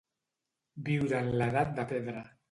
Viure en l'edat de pedra.